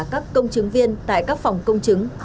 các công chứng viên tại các phòng công chứng